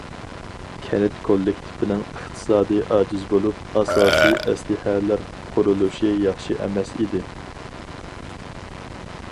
كەنت كوللېكتىپىنىڭ ئىقتىسادى ئاجىز بولۇپ، ئاساسىي ئەسلىھەلەر قۇرۇلۇشى ياخشى ئەمەس ئىدى.